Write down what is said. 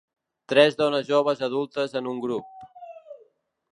Tres dones joves adultes en un grup.